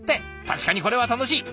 確かにこれは楽しい。